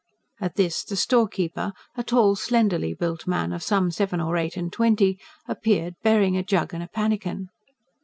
At this the storekeeper a tall, slenderly built man of some seven or eight and twenty appeared, bearing a jug and a pannikin.